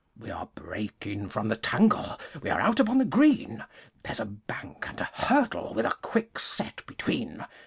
We are breaking from the tangle We are out upon the green, There's a bank and a hurdle With a quickset between.